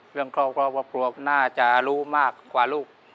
เรื่องครอบครัวน่าจะรู้มากกว่าลูก